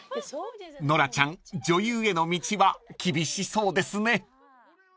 ［ノラちゃん女優への道は厳しそうですね］